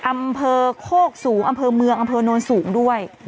อำเภอโคกสูงอำเภอเมืองอำเภอโนนสูงด้วย